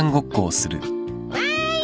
わい。